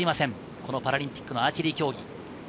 このパラリンピックのアーチェリー競技。